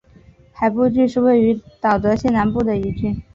海部郡是位于德岛县南部的一郡。